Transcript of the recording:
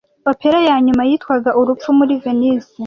Opera ya nyuma yitwaga Urupfu muri Venise